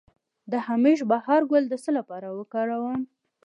د همیش بهار ګل د څه لپاره وکاروم؟